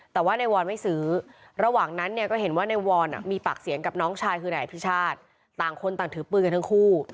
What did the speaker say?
แต่ว่าในวอนไม่สือระหว่างนั้นก็เห็นว่าในวอนมีภักดีกว่าน้องชายคือหลายพิชาทต่างคนดังถือปลื้นกันทั้งคู่